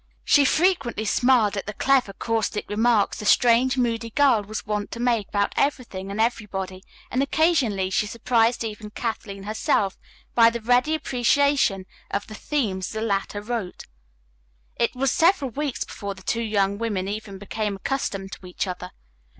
She frequently smiled at the clever, caustic remarks the strange, moody girl was wont to make about everything and everybody, and occasionally she surprised even Kathleen herself by her ready appreciation of the themes the latter wrote. It was several weeks before the two young women even became accustomed to each other.